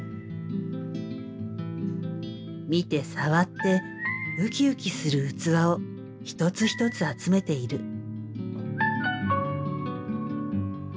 見て触ってウキウキする器を一つ一つ集めている。